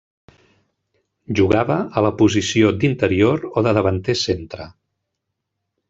Jugava a la posició d'interior o de davanter centre.